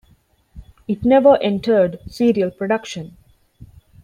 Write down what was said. It never entered serial production.